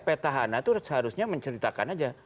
peta hana itu seharusnya menceritakan saja